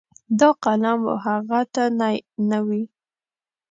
دا قلم و هغه ته نی نه وي.